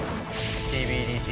ＣＢＤＣ